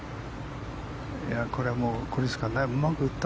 これはもうこれしかない。